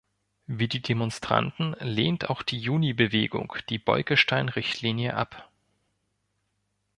Wie die Demonstranten lehnt auch die Juni-Bewegung die Bolkestein-Richtlinie ab.